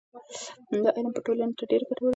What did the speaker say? دا علم به ټولنې ته ډېره ګټه ورسوي.